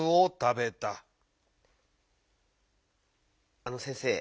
あの先生。